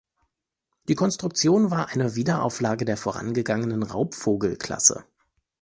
Die Konstruktion war eine Wiederauflage der vorangegangenen Raubvogel-Klasse.